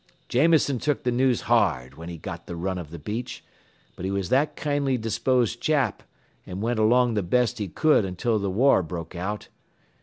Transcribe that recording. "Jameson took the news hard whin he got th' run av th' beach, but he was that kindly disposed chap an' went along th' best he could until th' war broke out.